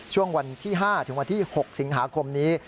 ช่วงวันที่๕ถึงวันที่๖สิงหาคมนี้